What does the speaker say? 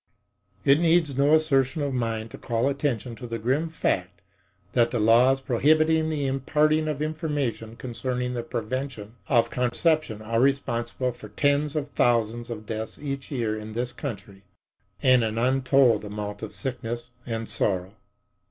It needs no assertion of mine to call attention to the grim fact that the laws prohibiting the imparting of information concerning the preventing of conception are responsible for tens of thousands of deaths each year in this country and an untold amount of sickness and sorrow.